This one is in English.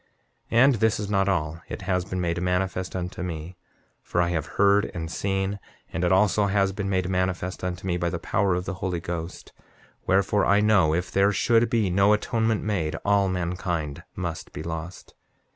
7:12 And this is not all—it has been made manifest unto me, for I have heard and seen; and it also has been made manifest unto me by the power of the Holy Ghost; wherefore, I know if there should be no atonement made all mankind must be lost.